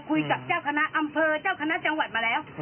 เจ้าคณะอำเภอเจ้าคณะจังหวัดมาแล้ว